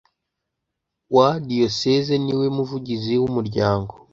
wa Diyoseze ni we Muvugizi w Umuryango